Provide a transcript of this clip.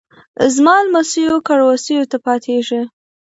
زما لمسیو کړوسیو ته پاتیږي